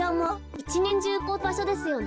いちねんじゅうこおってるばしょですよね。